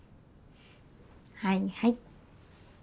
はいはい。